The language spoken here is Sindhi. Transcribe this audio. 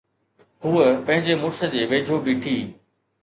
هوءَ پنهنجي مڙس جي ويجهو بيٺي.